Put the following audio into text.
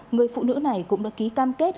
người phụ nữ này cũng đã ký cam kết